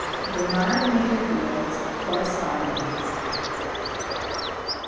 BERNARD WINTERFIELD'S CORRESPONDENCE.